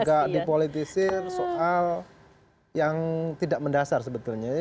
kita agak dipolitisir soal yang tidak mendasar sebetulnya